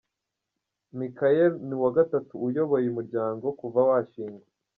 Michaëlle ni uwa gatatu uyoboye uyu muryango kuva washingwa.